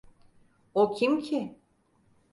O kim ki?